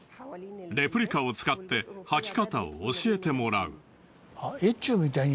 レプリカを使ってはき方を教えてもらう。